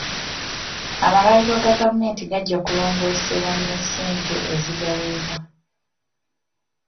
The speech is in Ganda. Amalwaliro ga gavumenti gajja kulongoosebwa ne ssente ezigaweebwa.